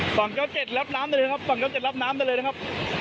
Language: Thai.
ฝั่งเก็บเก็บรับน้ำได้เลยครับฝั่งเก็บเก็บรับน้ำได้เลยนะครับ